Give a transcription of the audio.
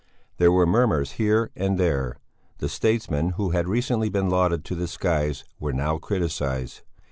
There were murmurs here and there; the statesmen who had recently been lauded to the skies were now criticized.